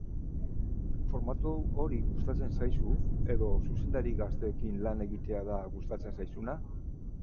Formatu hori gustatzen zaizu edo zuzendari gazteekin lan egitea da gustatzen zaizuna?